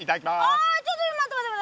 あちょっと待った待った。